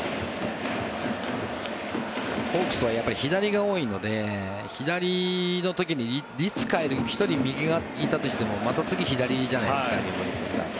ホークスはやっぱり左が多いので左の時に、率から行くと１人右がいたとしてもまた次、左じゃないですか。